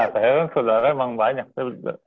saya kan saudaranya emang banyak sih